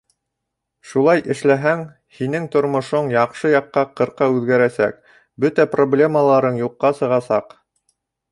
Шулай эшләһәң, һинең тормошоң яҡшы яҡҡа ҡырҡа үҙгәрәсәк, бөтә проблемаларың юҡҡа сығасаҡ.